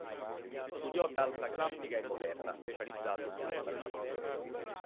Studiò danza classica e moderna specializzandosi nel balletto.